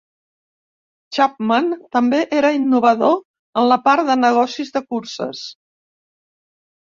Chapman també era innovador en la part de negocis de curses.